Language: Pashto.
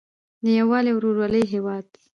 د یووالي او ورورولۍ هیواد.